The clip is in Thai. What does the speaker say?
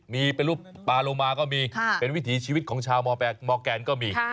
มีเป็นรูปปาโลมาก็มีเป็นวิถีชีวิตของชาวมอร์แกนก็มี